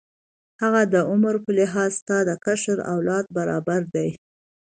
هغه د عمر په لحاظ ستا د کشر اولاد برابر دی.